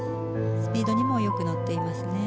スピードにもよく乗っていますね。